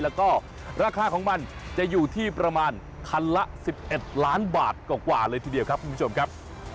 แล้วก็ราคาของมันจะอยู่ที่ประมาณคันละ๑๑ล้านบาทกว่าเลยทีเดียวครับคุณผู้ชมครับ